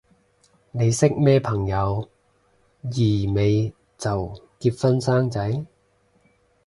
你識咩朋友廿尾就結婚生仔？